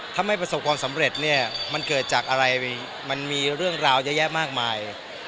ถ้าไม่ประสบความสำเร็จเนี่ยมันเกิดจากอะไรมันมีเรื่องราวเยอะแยะมากมาย